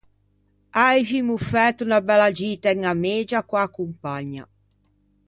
Aivimo fæto unna bella gita in Amegia co-a compagna.